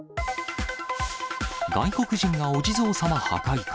外国人がお地蔵様破壊か。